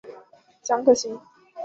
蒋可心。